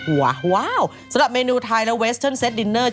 สำหรับเมนูไทยและเวสเทิร์นเซตดินเนอร์